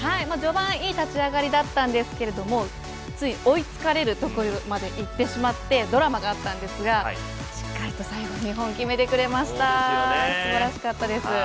序盤、いい立ち上がりだったんですけども追いつかれるところまでいってしまってドラマがあったんですがしっかりと最後日本、決めてくれましたすばらしかったです。